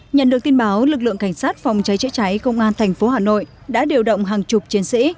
nhận được tin báo lực lượng cảnh sát phòng cháy cháy cháy công an tp hcm đã điều động hàng chục chiến sĩ